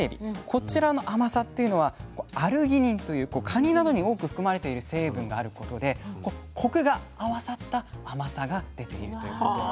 こちらの甘さっていうのはアルギニンというカニなどに多く含まれている成分があることでコクが合わさった甘さが出ているということなんですね。